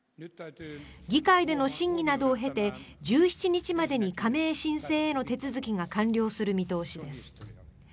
議会での審議などを経て１７日までに加盟申請への手続きが完了する見通しです。